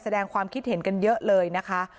แสดงความคิดเห็นกันเยอะเลยนะคะ